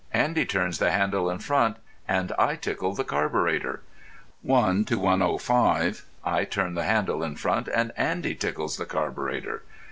Andy turns the handle in front and I tickle the carburetter. 1 1.5. I turn the handle in front and Andy tickles the carburetter.